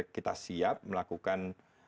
kita siap melakukan